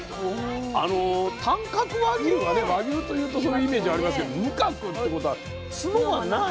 あの短角和牛はね和牛というとそのイメージありますけど無角っていうことは角が無い。